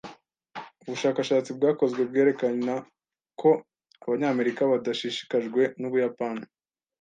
Ubushakashatsi bwakozwe bwerekana ko Abanyamerika badashishikajwe n’Ubuyapani.